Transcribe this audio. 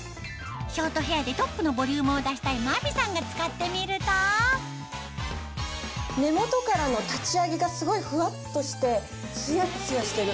ショートヘアでトップのボリュームを出したい真美さんが使ってみると根元からの立ち上げがすごいふわっとしてツヤツヤしてる！